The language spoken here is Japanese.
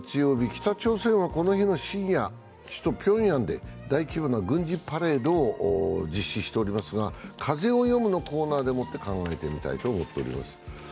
北朝鮮はこの日の深夜、首都ピョンヤンで大規模な軍事パレードで実施しておりますが、「風をよむ」のコーナーでもって考えていきたいと思っております。